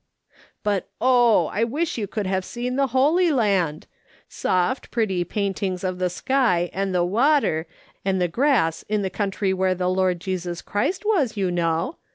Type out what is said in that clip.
" But, oh, I wish you could have seen the Holy Land ! Soft, pretty paintings of the sky, and the water, and the grass in the country where the Lord Jesus Christ M'as, you know.